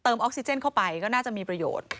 ออกซิเจนเข้าไปก็น่าจะมีประโยชน์